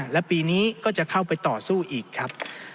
และปีนี้ก็จะเข้าไปต่อสู้อีกครับ